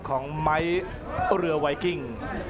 ของไม้เรือไวกิ้ง